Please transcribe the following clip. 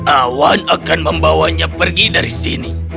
awan akan membawanya pergi dari sini